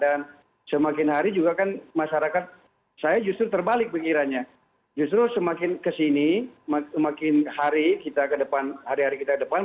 dan semakin hari juga kan masyarakat saya justru terbalik pikirannya justru semakin kesini semakin hari kita ke depan hari hari kita ke depan